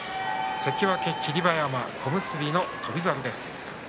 関脇霧馬山、小結の翔猿です。